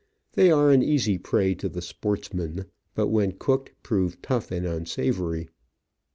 They are an easy prey to the sportsman, but when cooked prove tough and unsavoury.